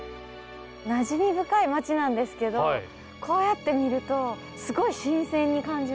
なじみ深い町なんですけどこうやって見るとすごい新鮮に感じます。